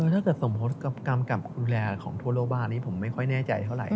ถ้าเกิดสมพจน์กับกำกับดูแลของทั่วโลกบ้านนี้ผมไม่ค่อยแน่ใจเท่าไหร